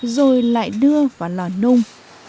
rồi lại đưa vào lò nung